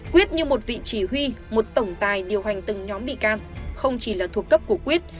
quyết như một vị chỉ huy một tổng tài điều hành từng nhóm bị can không chỉ là thuộc cấp của quyết